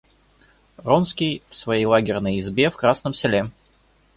Вронский в своей лагерной избе в Красном селе.